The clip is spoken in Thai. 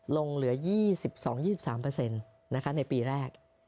ลงเหลือยี่สิบสองยี่สิบสามเปอร์เซ็นต์นะคะในปีแรก